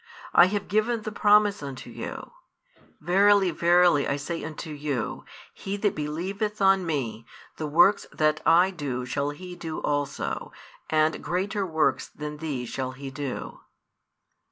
I have given the promise unto you: Verily, verily I say unto you, He that believeth on Me, the works that I do shall he do also; and greater works than these shall he do.